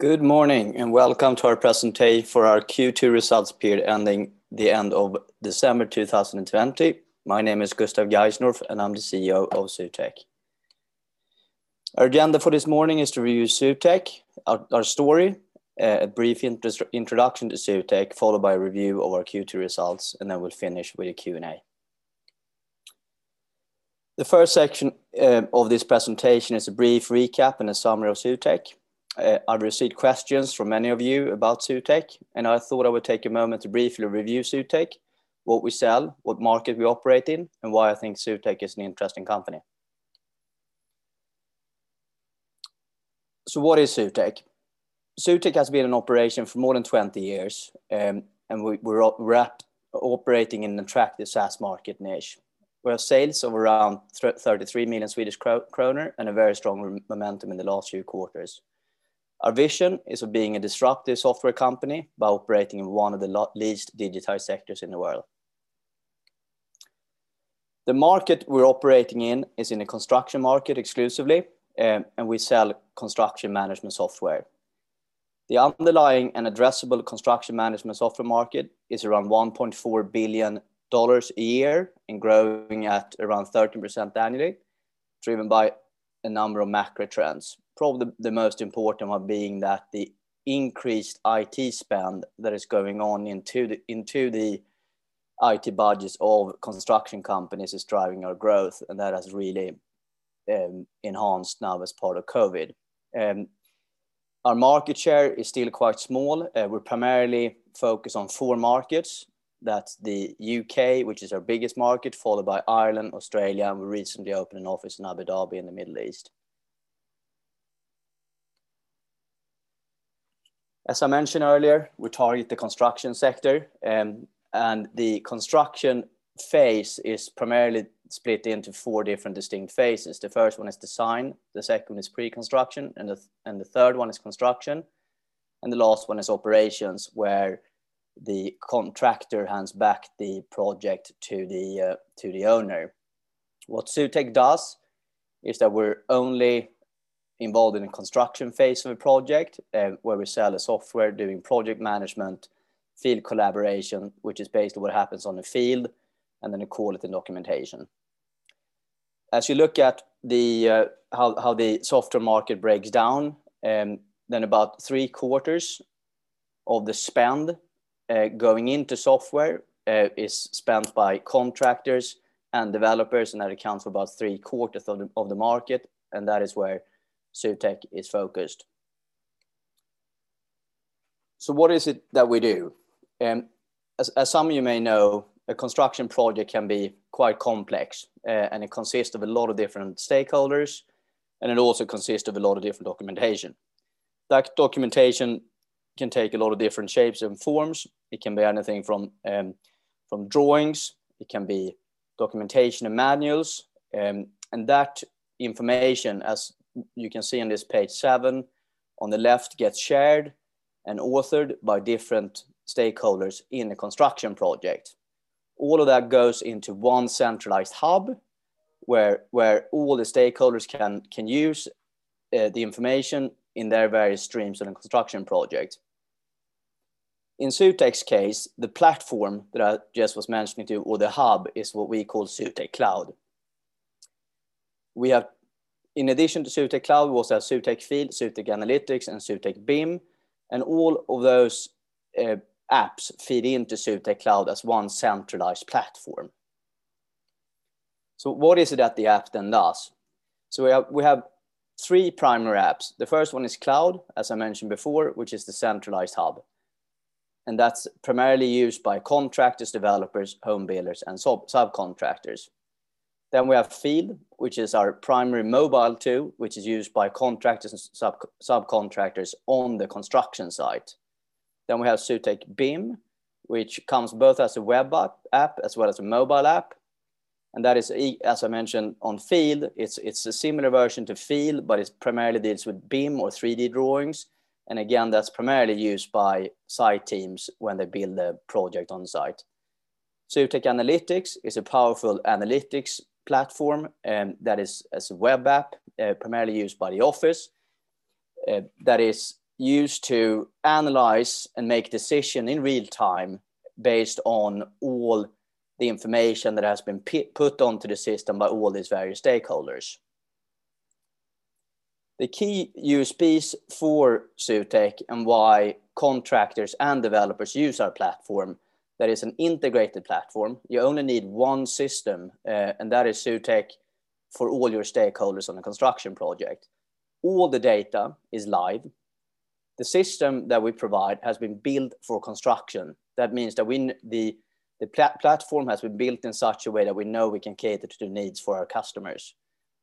Good morning, welcome to our presentation for our Q2 results period ending the end of December 2020. My name is Gustave Geisendorf, and I'm the CEO of Zutec. Our agenda for this morning is to review Zutec, our story, a brief introduction to Zutec, followed by a review of our Q2 results, and then we'll finish with a Q&A. The first section of this presentation is a brief recap and a summary of Zutec. I've received questions from many of you about Zutec, and I thought I would take a moment to briefly review Zutec, what we sell, what market we operate in, and why I think Zutec is an interesting company. What is Zutec? Zutec has been in operation for more than 20 years, and we're operating in an attractive SaaS market niche. We have sales of around 33 million Swedish kronor and a very strong momentum in the last few quarters. Our vision is of being a disruptive software company by operating in one of the least digitized sectors in the world. The market we're operating in is in the construction market exclusively, and we sell construction management software. The underlying and addressable construction management software market is around $1.4 billion a year and growing at around 13% annually, driven by a number of macro trends. Probably the most important one being that the increased IT spend that is going on into the IT budgets of construction companies is driving our growth, and that has really enhanced now as part of COVID. Our market share is still quite small. We're primarily focused on four markets. That's the U.K., which is our biggest market, followed by Ireland, Australia, and we recently opened an office in Abu Dhabi in the Middle East. As I mentioned earlier, we target the construction sector, and the construction phase is primarily split into four different distinct phases. The first one is design, the second is pre-construction, and the third one is construction, and the last one is operations, where the contractor hands back the project to the owner. What Zutec does is that we're only involved in the construction phase of a project, where we sell a software doing project management, field collaboration, which is based on what happens on the field and then the quality documentation. As you look at how the software market breaks down, about three quarters of the spend going into software is spent by contractors and developers, and that accounts for about three quarters of the market, and that is where Zutec is focused. What is it that we do? As some of you may know, a construction project can be quite complex, and it consists of a lot of different stakeholders, and it also consists of a lot of different documentation. That documentation can take a lot of different shapes and forms. It can be anything from drawings. It can be documentation and manuals. That information, as you can see on this page seven on the left, gets shared and authored by different stakeholders in a construction project. All of that goes into one centralized hub where all the stakeholders can use the information in their various streams in a construction project. In Zutec's case, the platform that I just was mentioning to, or the hub, is what we call Zutec Cloud. In addition to Zutec Cloud, we also have Zutec Field, Zutec Analytics, and Zutec BIM. All of those apps feed into Zutec Cloud as one centralized platform. What is it that the app then does? We have three primary apps. The first one is Cloud, as I mentioned before, which is the centralized hub. That's primarily used by contractors, developers, home builders and subcontractors. We have Field, which is our primary mobile tool, which is used by contractors and subcontractors on the construction site. We have Zutec BIM, which comes both as a web app as well as a mobile app, and that is, as I mentioned on Field, it's a similar version to Field, but it primarily deals with BIM or 3D drawings. Again, that's primarily used by site teams when they build a project on-site. Zutec Analytics is a powerful analytics platform that is as a web app, primarily used by the office that is used to analyze and make decision in real time based on all the information that has been put onto the system by all these various stakeholders. The key USPs for Zutec and why contractors and developers use our platform, that it's an integrated platform. You only need one system, and that is Zutec for all your stakeholders on a construction project. All the data is live. The system that we provide has been built for construction. That means that the platform has been built in such a way that we know we can cater to the needs for our customers.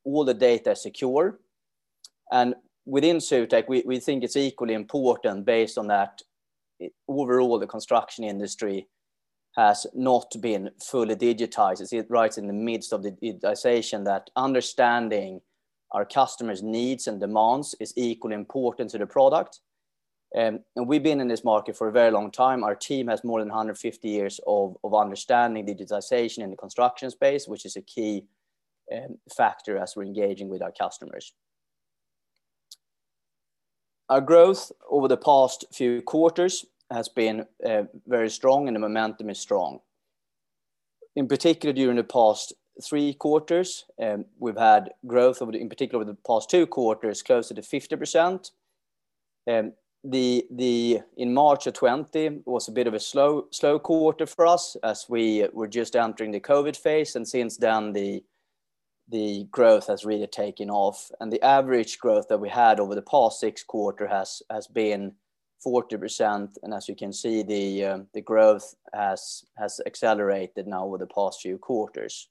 All the data is secure. Within Zutec, we think it's equally important based on that overall the construction industry has not been fully digitized. It's right in the midst of the digitization that understanding our customers' needs and demands is equally important to the product. We've been in this market for a very long time. Our team has more than 150 years of understanding digitization in the construction space, which is a key factor as we're engaging with our customers. Our growth over the past few quarters has been very strong and the momentum is strong. In particular, during the past three quarters, we've had growth, in particular over the past two quarters, closer to 50%. In March of 2020 was a bit of a slow quarter for us as we were just entering the COVID phase, and since then, the growth has really taken off. The average growth that we had over the past six quarter has been 40%, and as you can see, the growth has accelerated now over the past few quarters.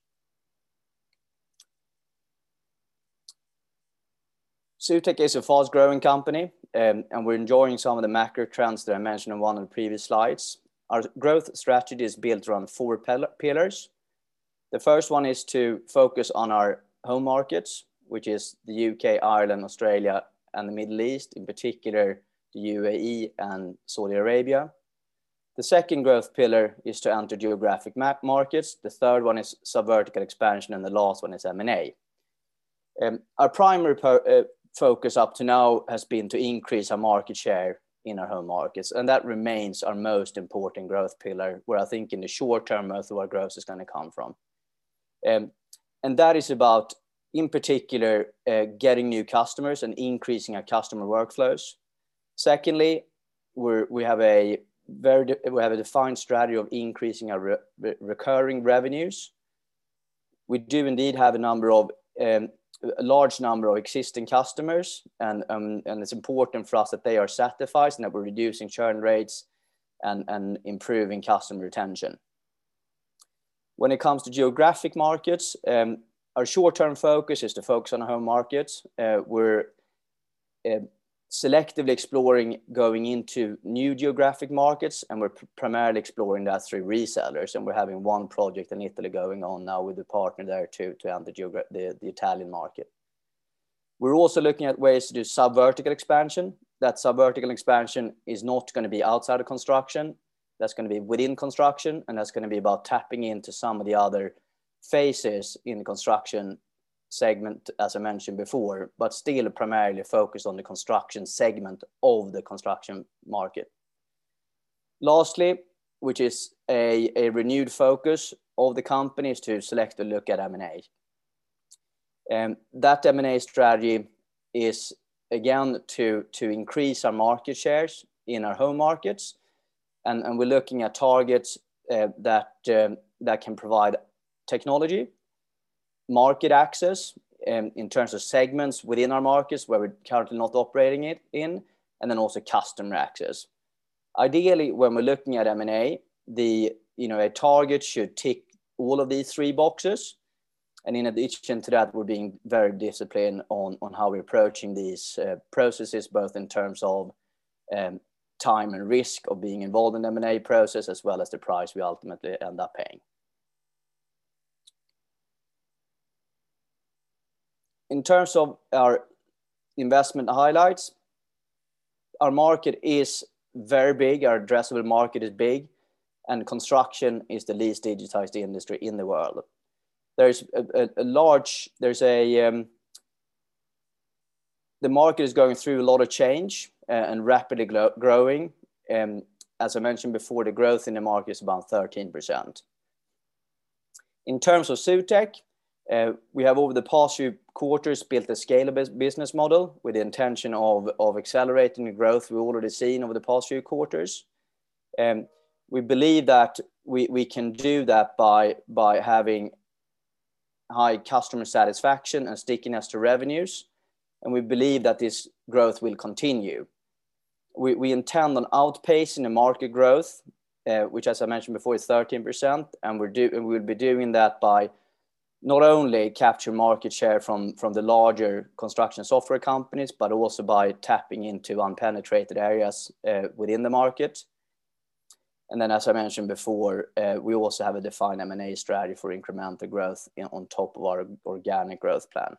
Zutec is a fast-growing company, and we're enjoying some of the macro trends that I mentioned in one of the previous slides. Our growth strategy is built around four pillars. The first one is to focus on our home markets, which is the U.K., Ireland, Australia, and the Middle East, in particular the UAE and Saudi Arabia. The second growth pillar is to enter geographic markets. The third one is sub-vertical expansion, and the last one is M&A. Our primary focus up to now has been to increase our market share in our home markets, and that remains our most important growth pillar, where I think in the short term, most of our growth is going to come from. That is about, in particular, getting new customers and increasing our customer workflows. Secondly, we have a defined strategy of increasing our recurring revenues. We do indeed have a large number of existing customers, and it's important for us that they are satisfied and that we're reducing churn rates and improving customer retention. When it comes to geographic markets, our short-term focus is to focus on home markets. We're selectively exploring going into new geographic markets, and we're primarily exploring that through resellers, and we're having one project in Italy going on now with a partner there to enter the Italian market. We're also looking at ways to do sub-vertical expansion. That sub-vertical expansion is not going to be outside of construction. That's going to be within construction, and that's going to be about tapping into some of the other phases in the construction segment, as I mentioned before, but still primarily focused on the construction segment of the construction market. Lastly, which is a renewed focus of the company, is to select a look at M&A. That M&A strategy is, again, to increase our market shares in our home markets, we're looking at targets that can provide technology, market access in terms of segments within our markets where we're currently not operating in, then also customer access. Ideally, when we're looking at M&A, a target should tick all of these three boxes. In addition to that, we're being very disciplined on how we're approaching these processes, both in terms of time and risk of being involved in M&A process, as well as the price we ultimately end up paying. In terms of our investment highlights, our market is very big. Our addressable market is big, construction is the least digitized industry in the world. The market is going through a lot of change and rapidly growing. As I mentioned before, the growth in the market is about 13%. In terms of Zutec, we have over the past few quarters built a scalable business model with the intention of accelerating the growth we've already seen over the past few quarters. We believe that we can do that by having high customer satisfaction and stickiness to revenues, and we believe that this growth will continue. We intend on outpacing the market growth, which as I mentioned before, is 13%, and we'll be doing that by not only capturing market share from the larger construction software companies, but also by tapping into unpenetrated areas within the market. As I mentioned before, we also have a defined M&A strategy for incremental growth on top of our organic growth plan.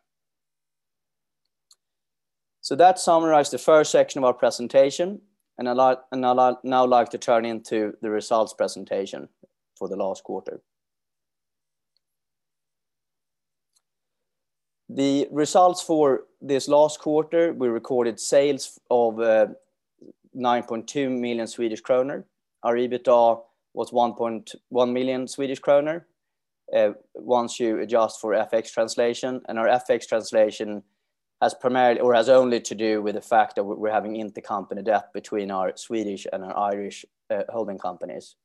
That summarized the first section of our presentation, and I'd now like to turn into the results presentation for the last quarter. The results for this last quarter, we recorded sales of 9.2 million Swedish kronor. Our EBITDA was 1.1 million Swedish kronor once you adjust for FX translation, and our FX translation has only to do with the fact that we're having intercompany debt between our Swedish and our Irish holding companies.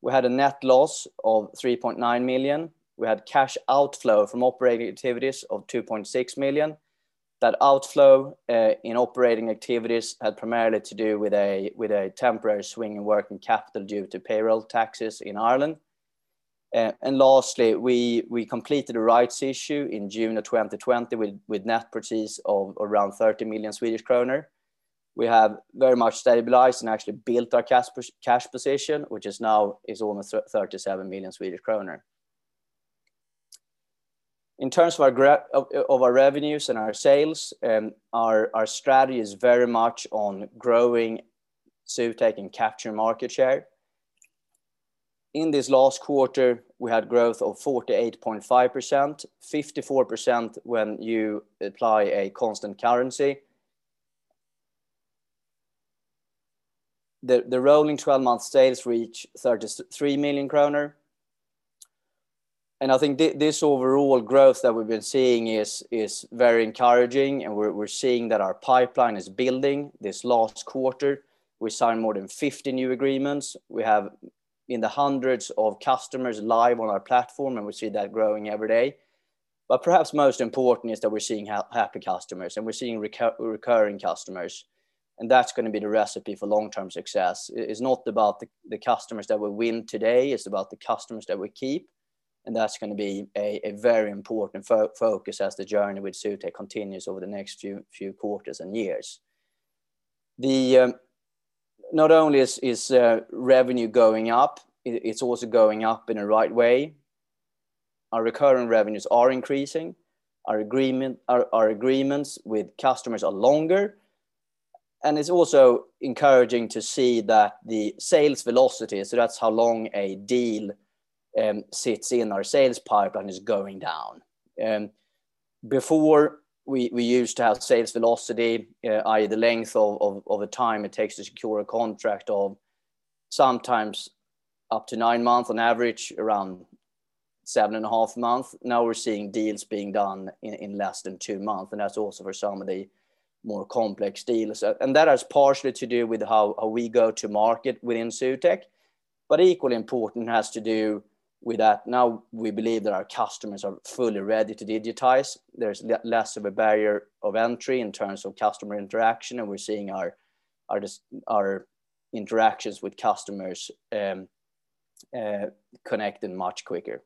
We had a net loss of 3.9 million. We had cash outflow from operating activities of 2.6 million. That outflow in operating activities had primarily to do with a temporary swing in working capital due to payroll taxes in Ireland. Lastly, we completed a rights issue in June of 2020 with net proceeds of around 30 million Swedish kronor. We have very much stabilized and actually built our cash position, which is now almost 37 million Swedish kronor. In terms of our revenues and our sales, our strategy is very much on growing Zutec and capturing market share. In this last quarter, we had growth of 48.5%, 54% when you apply a constant currency. The rolling 12 months sales reach 33 million kronor. I think this overall growth that we've been seeing is very encouraging, and we're seeing that our pipeline is building this last quarter. We signed more than 50 new agreements. We have in the hundreds of customers live on our platform, and we see that growing every day. Perhaps most important is that we're seeing happy customers, and we're seeing recurring customers. That's going to be the recipe for long-term success. It's not about the customers that we win today, it's about the customers that we keep, and that's going to be a very important focus as the journey with Zutec continues over the next few quarters and years. Not only is revenue going up, it's also going up in a right way. Our recurring revenues are increasing. Our agreements with customers are longer. It's also encouraging to see that the sales velocity, so that's how long a deal sits in our sales pipeline, is going down. Before, we used to have sales velocity, i.e., the length of the time it takes to secure a contract of sometimes up to nine months, on average, around seven and a half months. Now we're seeing deals being done in less than two months, that's also for some of the more complex deals. That has partially to do with how we go to market within Zutec. Equally important has to do with that now we believe that our customers are fully ready to digitize. There's less of a barrier of entry in terms of customer interaction, and we're seeing our interactions with customers connecting much quicker.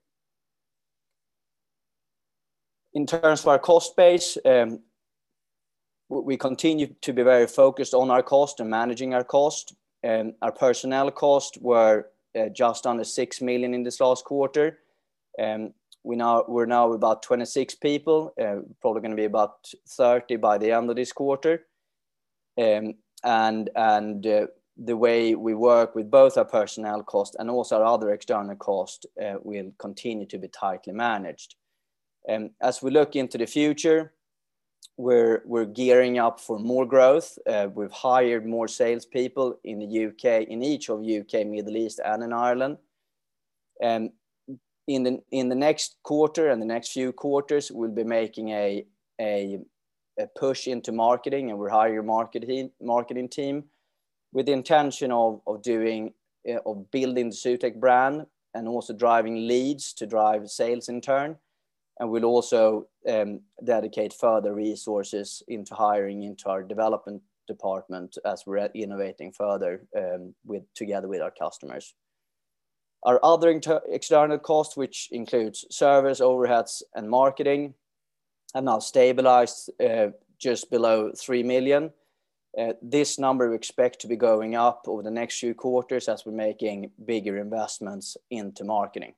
In terms of our cost base, we continue to be very focused on our cost and managing our cost. Our personnel costs were just under 6 million in this last quarter. We're now about 26 people, probably going to be about 30 by the end of this quarter. The way we work with both our personnel costs and also our other external costs will continue to be tightly managed. As we look into the future, we're gearing up for more growth. We've hired more salespeople in each of U.K., Middle East, and in Ireland. In the next quarter and the next few quarters, we'll be making a push into marketing, and we'll hire a marketing team with the intention of building the Zutec brand and also driving leads to drive sales in turn. We'll also dedicate further resources into hiring into our development department as we're innovating further together with our customers. Our other external costs, which includes service, overheads, and marketing, have now stabilized just below 3 million. This number we expect to be going up over the next few quarters as we're making bigger investments into marketing.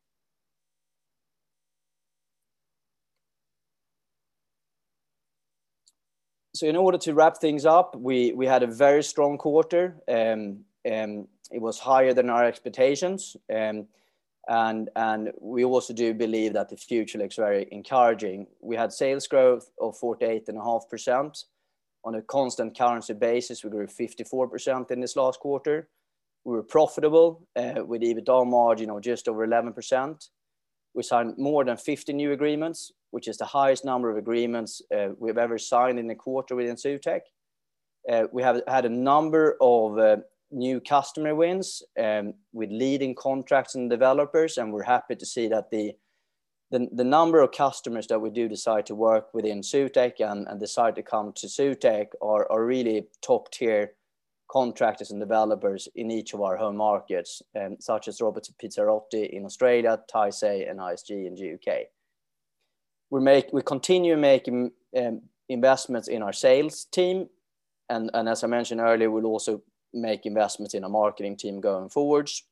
In order to wrap things up, we had a very strong quarter. It was higher than our expectations, and we also do believe that the future looks very encouraging. We had sales growth of 48.5%. On a constant currency basis, we grew 54% in this last quarter. We were profitable with EBITDA margin of just over 11%. We signed more than 50 new agreements, which is the highest number of agreements we've ever signed in a quarter within Zutec. We have had a number of new customer wins with leading contracts and developers, and we're happy to see that the number of customers that we do decide to work within Zutec and decide to come to Zutec are really top-tier contractors and developers in each of our home markets, such as Roberts Pizzarotti in Australia, Tyse and ISG in the U.K. We continue making investments in our sales team, and as I mentioned earlier, we'll also make investments in our marketing team going forwards.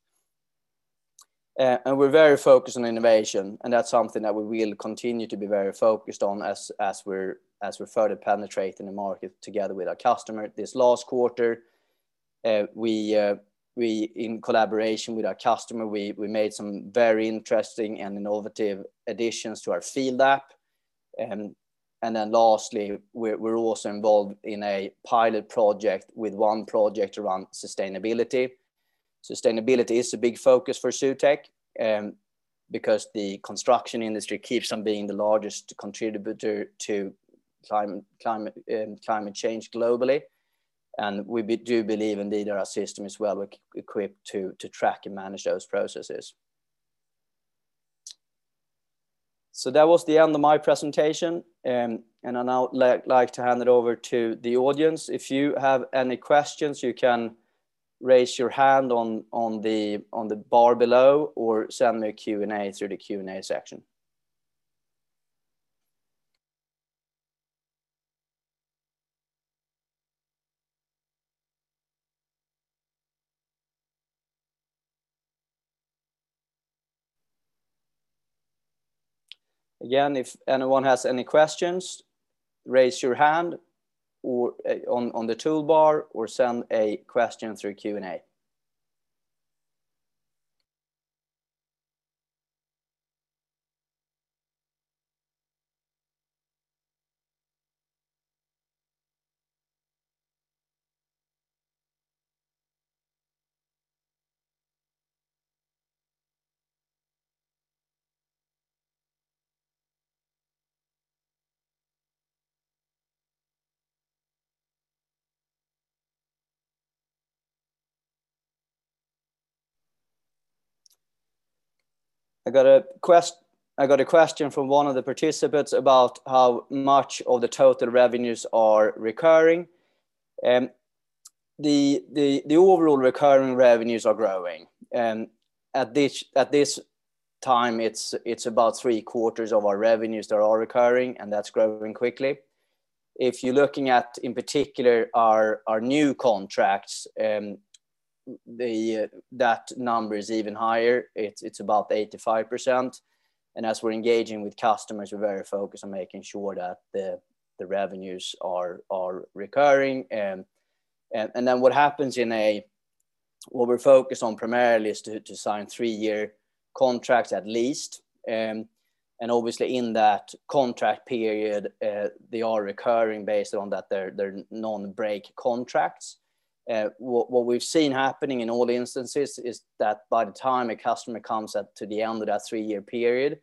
We're very focused on innovation, and that's something that we will continue to be very focused on as we further penetrate in the market together with our customer. This last quarter, in collaboration with our customer, we made some very interesting and innovative additions to our field app. Lastly, we're also involved in a pilot project with one project around sustainability. Sustainability is a big focus for Zutec because the construction industry keeps on being the largest contributor to climate change globally. We do believe indeed our system is well-equipped to track and manage those processes. That was the end of my presentation, and I'd now like to hand it over to the audience. If you have any questions, you can raise your hand on the bar below or send me a Q&A through the Q&A section. Again, if anyone has any questions, raise your hand on the toolbar or send a question through Q&A. I got a question from one of the participants about how much of the total revenues are recurring. The overall recurring revenues are growing. At this time, it's about three-quarters of our revenues that are recurring, and that's growing quickly. If you're looking at, in particular, our new contracts, that number is even higher. It's about 85%. As we're engaging with customers, we're very focused on making sure that the revenues are recurring. What we're focused on primarily is to sign three-year contracts at least. Obviously in that contract period, they are recurring based on that they're non-break contracts. What we've seen happening in all instances is that by the time a customer comes up to the end of that three-year period,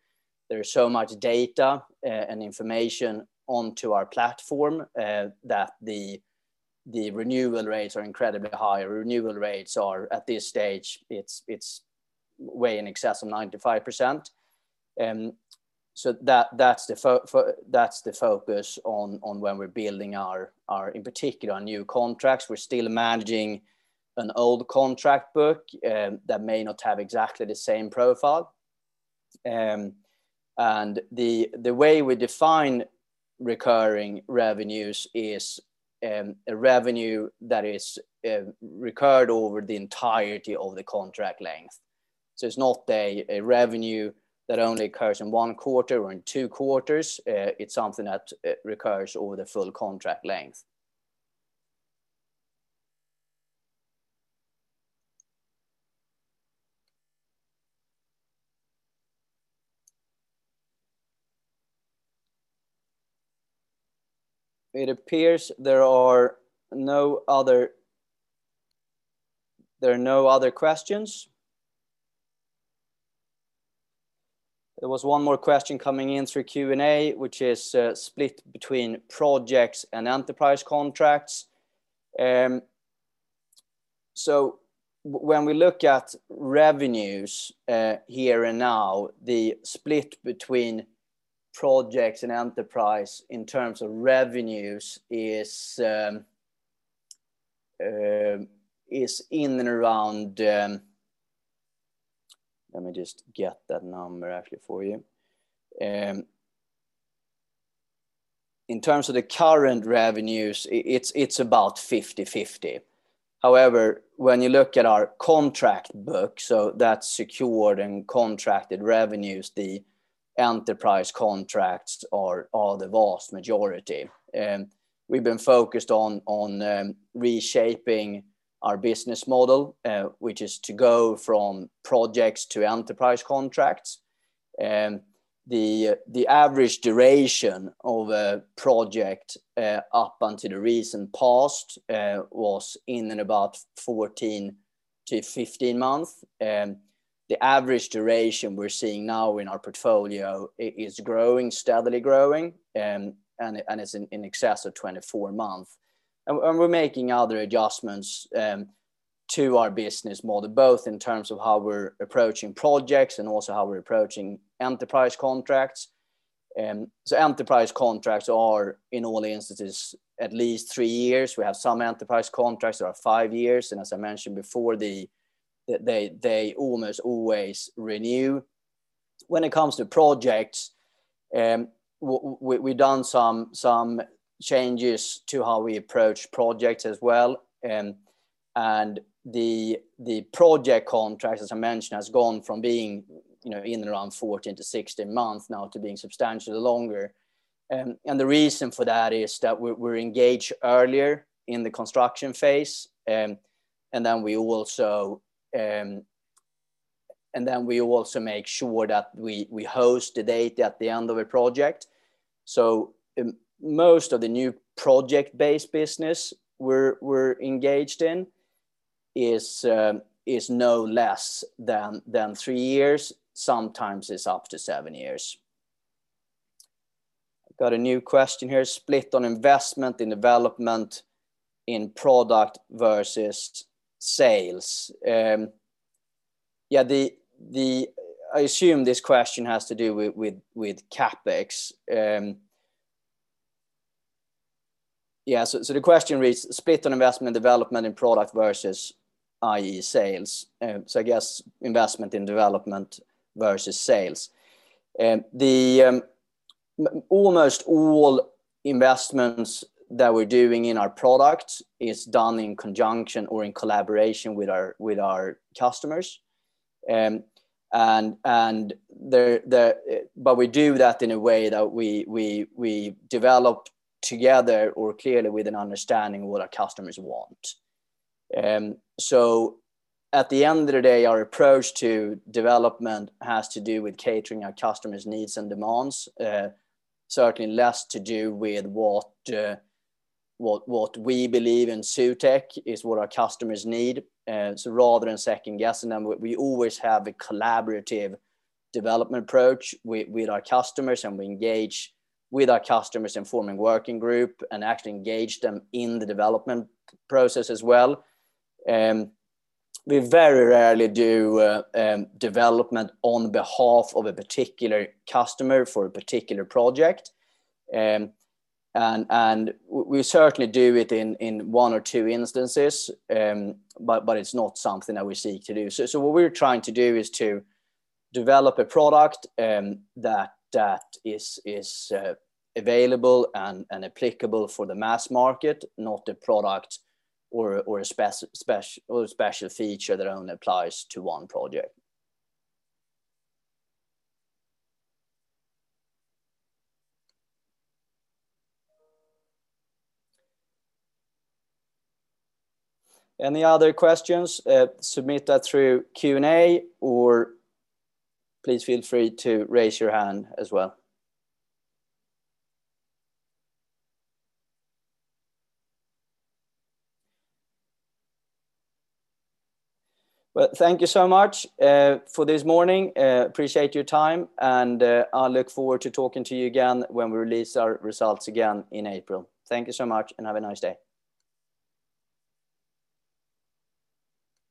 there is so much data and information onto our platform, that the renewal rates are incredibly high. Our renewal rates are, at this stage, it's way in excess of 95%. That's the focus on when we're building our, in particular, new contracts. We're still managing an old contract book that may not have exactly the same profile. The way we define recurring revenues is a revenue that is recurred over the entirety of the contract length. It's not a revenue that only occurs in one quarter or in two quarters. It's something that recurs over the full contract length. It appears there are no other questions. There was one more question coming in through Q&A, which is split between projects and enterprise contracts. When we look at revenues here and now, the split between projects and enterprise in terms of revenues is in and around. Let me just get that number actually for you. In terms of the current revenues, it's about 50/50. When you look at our contract book, so that's secured and contracted revenues, the enterprise contracts are the vast majority. We've been focused on reshaping our business model, which is to go from projects to enterprise contracts. The average duration of a project up until the recent past was in and about 14-15 months. The average duration we're seeing now in our portfolio is steadily growing, and it's in excess of 24 months. We're making other adjustments to our business model, both in terms of how we're approaching projects and also how we're approaching enterprise contracts. Enterprise contracts are, in all instances, at least three years. We have some enterprise contracts that are five years, and as I mentioned before, they almost always renew. When it comes to projects, we've done some changes to how we approach projects as well. The project contracts, as I mentioned, has gone from being in and around 14-16 months now to being substantially longer. The reason for that is that we're engaged earlier in the construction phase. We also make sure that we host the data at the end of a project. Most of the new project-based business we're engaged in is no less than three years. Sometimes it's up to seven years. Got a new question here. "Split on investment in development in product versus sales." I assume this question has to do with CapEx. Yeah. The question reads, "Split on investment in development in product versus i.e. sales." I guess investment in development versus sales. Almost all investments that we're doing in our product is done in conjunction or in collaboration with our customers. We do that in a way that we develop together or clearly with an understanding of what our customers want. At the end of the day, our approach to development has to do with catering our customers' needs and demands. Certainly less to do with what we believe in Zutec is what our customers need. Rather than second-guessing them, we always have a collaborative development approach with our customers, and we engage with our customers in forming working group and actually engage them in the development process as well. We very rarely do development on behalf of a particular customer for a particular project. We certainly do it in one or two instances, but it's not something that we seek to do. What we're trying to do is to develop a product that is available and applicable for the mass market, not a product or a special feature that only applies to one project. Any other questions? Submit that through Q&A, or please feel free to raise your hand as well. Well, thank you so much for this morning. Appreciate your time, and I'll look forward to talking to you again when we release our results again in April. Thank you so much, and have a nice day.